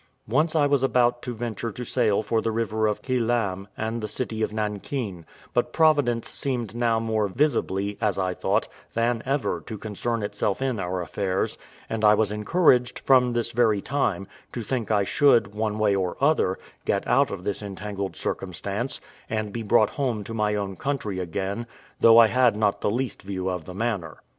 Once I was about to venture to sail for the river of Kilam, and the city of Nankin; but Providence seemed now more visibly, as I thought, than ever to concern itself in our affairs; and I was encouraged, from this very time, to think I should, one way or other, get out of this entangled circumstance, and be brought home to my own country again, though I had not the least view of the manner.